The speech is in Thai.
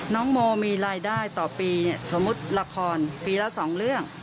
น้องโมมีรายได้ต่อปีเนี่ย